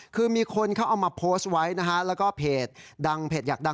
คือมีคนเขาเอามาโพสต์ไว้นะฮะแล้วก็เพจดังเพจอยากดัง